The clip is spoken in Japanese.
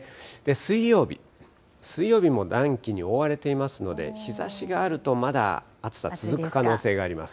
水曜日、水曜日も暖気に覆われていますので、日ざしがあると、まだ暑さ続く可能性があります。